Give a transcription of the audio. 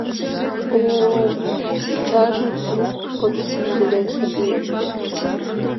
— О-о-о!.. — шинчаже трук подкинде гай кугеме.